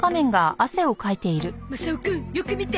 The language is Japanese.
マサオくんよく見て。